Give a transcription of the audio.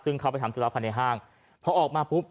ซึ่งเขาไปทำธุระภายในห้างพอออกมาปุ๊บ